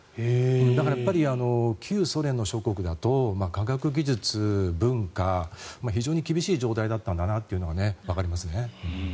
だから、旧ソ連の諸国だと科学技術、文化非常に厳しい状態だったんだなというのがわかりますね。